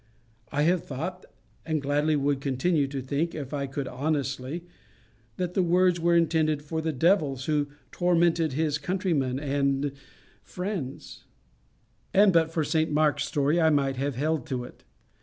I have thought, and gladly would I continue to think, if I could honestly, that the words were intended for the devils who tormented his countrymen and friends; and but for St Mark's story, I might have held to it.